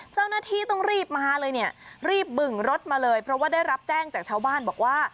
เจ้าหน้าที่ต้องรีบมาเลยเนี่ยรีบบึงรถมาเลยเพราะว่าได้รับแจ้งจากชาวบ้านบอกว่า